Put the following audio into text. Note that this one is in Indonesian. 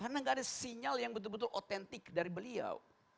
karena gak ada sinyal yang betul betul otentik dari beliau